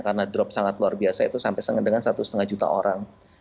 karena drop sangat luar biasa itu sampai seengen dengan satu lima juta orang